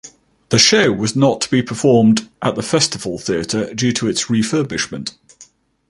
The show was not be performed at the Festival Theatre due to its refurbishment.